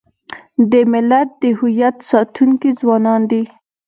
د ملت د هویت ساتونکي ځوانان دي.